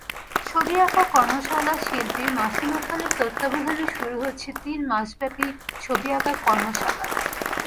ছবি আঁকা কর্মশালাশিল্পী মাসুমা খানের তত্ত্বাবধানে শুরু হচ্ছে তিন মাসব্যাপী ছবি আঁকা কর্মশালা।